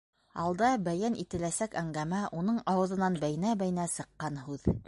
Алда бәйән ителәсәк әңгәмә уның ауыҙынан бәйнә-бәйнә сыҡҡан һүҙ.